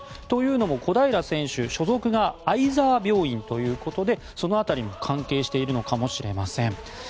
というのも小平選手所属が相沢病院ということでその辺りも関係しているのかもしれません。